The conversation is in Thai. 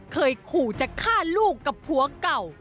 เคยขู่จะฆ่าลูกกับผัวเก่า